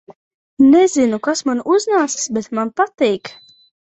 Nezinu, kas man uznācis, bet man patīk!